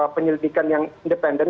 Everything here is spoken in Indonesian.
penyelidikan yang independen